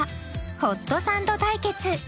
ホットサンド対決